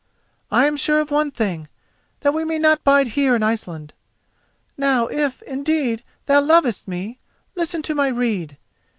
I am sure of one thing, that we may not bide here in Iceland. Now if, indeed, thou lovest me, listen to my rede.